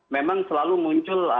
memang selalu muncul